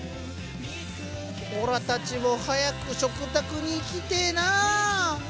オラたちも早く食卓に行きてえなあ！